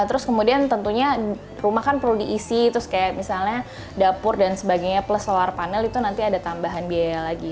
terus kemudian tentunya rumah kan perlu diisi terus kayak misalnya dapur dan sebagainya plus solar panel itu nanti ada tambahan biaya lagi